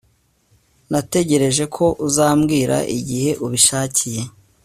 Natekereje ko uzambwira igihe ubishakiye